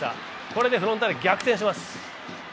これでフロンターレ、逆転します。